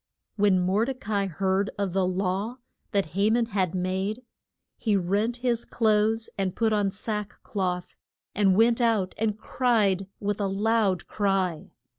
When Mor de ca i heard of the law that Ha man had made, he rent his clothes and put on sack cloth, and went out and cried with a loud cry.